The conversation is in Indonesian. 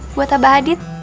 buat abang adit